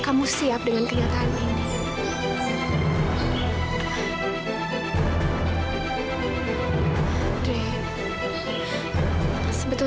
kamu jangan nangis lagi ya